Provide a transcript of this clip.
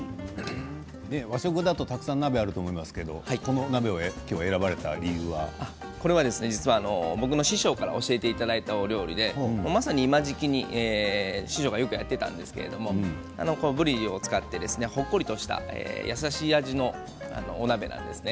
和食だとたくさん鍋があると思いますが実は僕の師匠から教えていただいた料理で今時期に師匠がよくやっていたんですけどぶりを使って、ほっこりとした優しい味のお鍋なんですね。